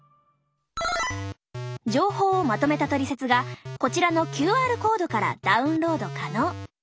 情報をまとめたトリセツがこちらのＱＲコードからダウンロード可能。